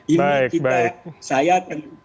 ini adalah hal yang sangat penting